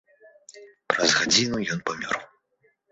Праз гадзіну ён памёр.